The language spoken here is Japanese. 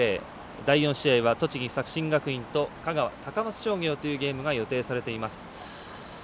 第４試合は栃木、作新学院と香川、高松商業というゲームが予定されています。